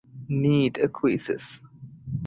Neith acquiesces.